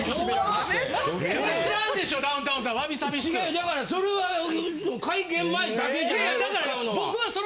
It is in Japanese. だからそれは会見前だけじゃないの？